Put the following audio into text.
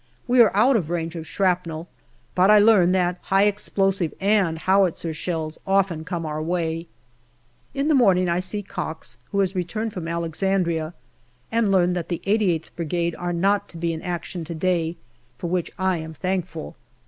We are out of range of shrapnel, but I learn that high explosive and howitzer shells often come our way. In the morning I see Cox, who has returned from Alex andria, and learn that the 88th Brigade are not to be in action to day, for which I am thankful.